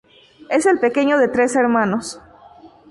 Es el pequeño de tres hermanos.